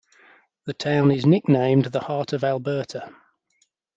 The town is nicknamed The Heart of Alberta.